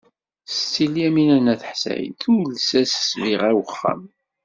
Setti Lyamina n At Ḥsayen tules-as ssbiɣa i wexxam.